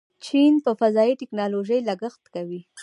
چین په فضایي ټیکنالوژۍ لګښت کوي.